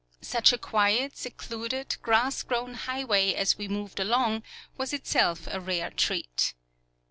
Such a quiet, secluded, grass grown highway as we moved along was itself a rare treat.